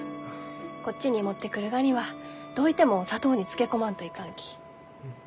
こっちに持ってくるがにはどういても砂糖に漬け込まんといかんき。